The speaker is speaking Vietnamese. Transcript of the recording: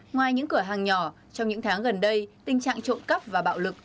ngoài những cửa hàng nhỏ trong những tháng gần đây tình trạng trộm cắp và bạo lực